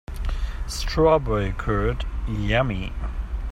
Strawberry curd, yummy!